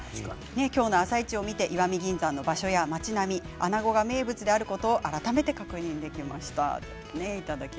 今日の「あさイチ」を見て石見銀山の場所や町並みあなごが名物があることを改めて確認できました。